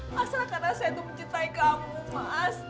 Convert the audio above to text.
pasrah karena saya tuh mencintai kamu mas